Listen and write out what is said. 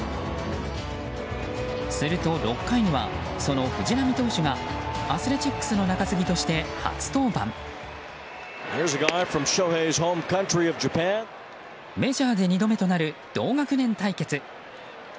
すると６回には、その藤浪投手がアスレチックスのメジャーで２度目となる同学年対決。